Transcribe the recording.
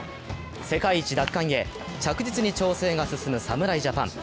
世界一奪還へ着実に調整が進む侍ジャパン。